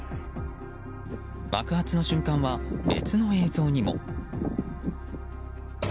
爆発の瞬間は別の映像にも。